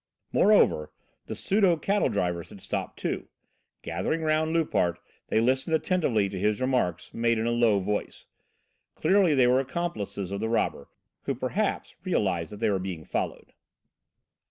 Moreover, the pseudo cattle drivers had stopped, too: gathering round Loupart they listened attentively to his remarks, made in a low tone. Clearly they were accomplices of the robber, who, perhaps, realised that they were being followed.